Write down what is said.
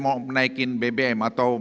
mau menaikin bbm atau